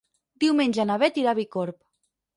Diumenge na Beth irà a Bicorb.